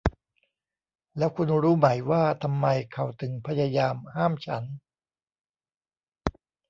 แล้วคุณรู้ไหมว่าทำไมเขาถึงพยายามห้ามฉัน ?